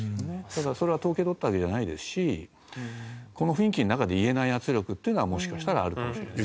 ただそれは統計を取ったわけじゃないですしこの雰囲気の中で言えない圧力っていうのはもしかしたらあるかもしれない。